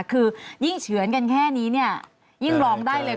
คือยิ่งเฉือนกันแค่นี้เนี่ยยิ่งร้องได้เลย